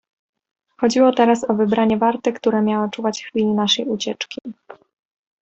"Chodziło teraz o wybranie warty, która miała czuwać w chwili naszej ucieczki."